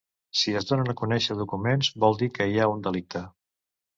Si es donen a conèixer documents vol dir que hi ha un delicte.